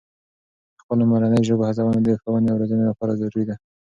د خپلو مورنۍ ژبو هڅونه د ښوونې او روزنې لپاره ضروري ده.